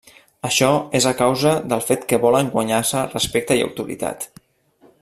Això és a causa del fet que volen guanyar-se respecte i autoritat.